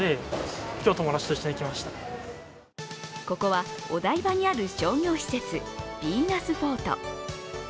ここは、お台場にある商業施設ヴィーナスフォート。